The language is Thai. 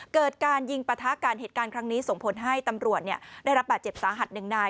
เกิดการยิงปะทะกันเหตุการณ์ครั้งนี้ส่งผลให้ตำรวจได้รับบาดเจ็บสาหัสหนึ่งนาย